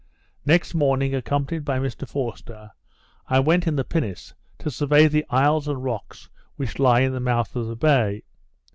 Next morning, accompanied by Mr Forster, I went in the pinnace to survey the isles and rocks which lie in the mouth of the bay.